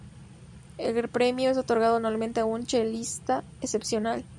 El premio es otorgado anualmente a un chelista excepcional.